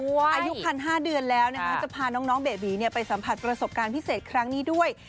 อายุคัน๕เดือนแล้วจะพาน้องเบบีไปสัมผัสประสบการณ์พิเศษครั้งนี้ด้วย